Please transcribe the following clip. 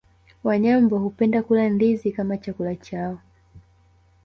Wanyambo hupenda kula ndizi kama chakula chao